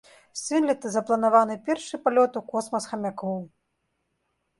Сёлета запланаваны першы палёт у космас хамякоў.